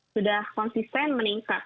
sudah konsisten meningkat